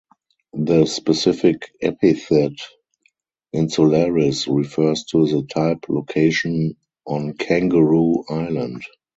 The specific epithet ("insularis") refers to the type location on Kangaroo Island.